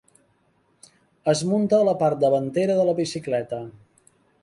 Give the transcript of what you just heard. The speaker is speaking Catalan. Es munta a la part davantera de la bicicleta.